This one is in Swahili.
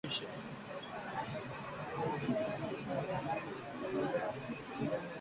Muda ume kwisha